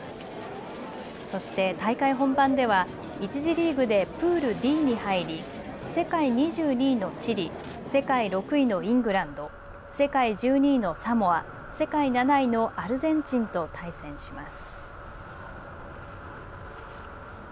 そして大会本番では１次リーグでプールＤに入り世界２２位のチリ、世界６位のイングランド、世界１２位のサモア、世界７位のアルゼンチンと対戦します。